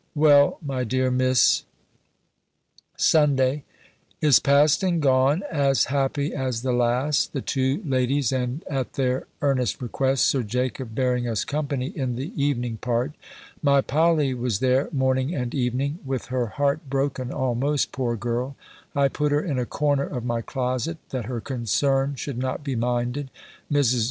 Well, my dear Miss, SUNDAY Is past and gone, as happy as the last; the two ladies, and, at their earnest request, Sir Jacob bearing us company, in the evening part. My Polly was there morning and evening, with her heart broken almost, poor girl! I put her in a corner of my closet, that her concern should not be minded. Mrs.